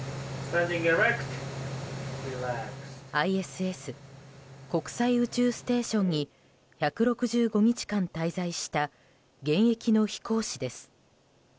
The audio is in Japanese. ＩＳＳ・国際宇宙ステーションに１６５日間滞在した現役の飛行士です。